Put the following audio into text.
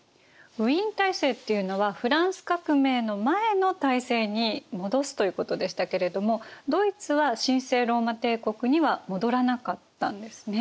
ウィーン体制っていうのはフランス革命の前の体制に戻すということでしたけれどもドイツは神聖ローマ帝国には戻らなかったんですね。